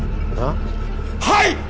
はい。